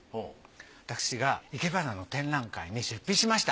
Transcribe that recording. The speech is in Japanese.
私が生け花の展覧会に出品しました。